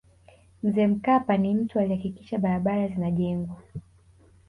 mzee mkapa ni mtu alihakikisha barabara zinajengwa